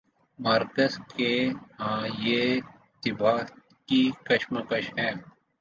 Marks کے ہاں یہ طبقاتی کشمکش ہے۔